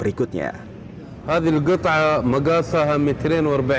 ini kiswah dari tahlia